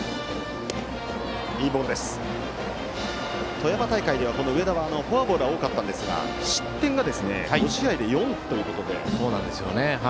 富山大会では、上田はフォアボールは多かったんですが失点が５試合で４ということです。